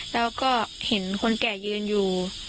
แล้วก็เห็นคนแก่ยืนอยู่